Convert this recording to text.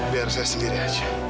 biar saya sendiri aja